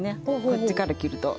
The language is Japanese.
こっちから切ると。